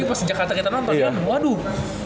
pas di jakarta kita nonton waduh